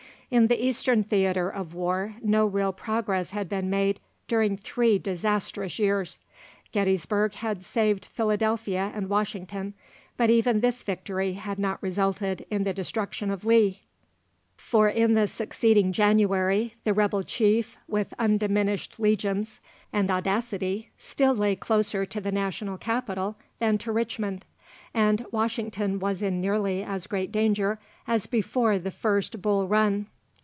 In the Eastern theatre of war, no real progress had been made during three disastrous years. Gettysburg had saved Philadelphia and Washington, but even this victory had not resulted in the destruction of Lee; for in the succeeding January, the rebel chief, with undiminished legions and audacity, still lay closer to the national capital than to Richmond, and Washington was in nearly as great danger as before the first Bull Run."